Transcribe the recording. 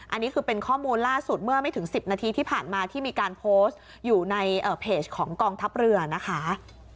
อันนี้คือเป็นข้อมูลล่าสุดเมื่อไม่ถึง๑๐นาทีที่ผ่านมาที่มีการโพสต์อยู่ในเพจของกองทัพเรือนะคะ